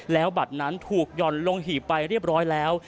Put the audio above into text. แล้วบัตรนั้นถูกห่อนลงหีบไปเรียบร้อยแล้ว